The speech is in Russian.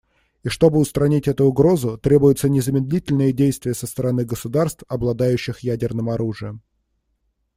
И чтобы устранить эту угрозу, требуются незамедлительные действия со стороны государств, обладающих ядерным оружием.